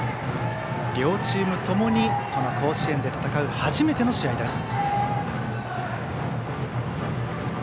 両チームともに甲子園で戦う初めての試合です。